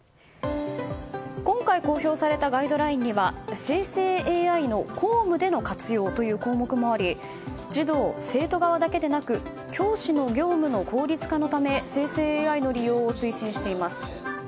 今回公表されたガイドラインには生成ＡＩの校務での活用という項目もあり児童・生徒側だけでなく教師の業務の効率化のため生成ＡＩの利用を推進しています。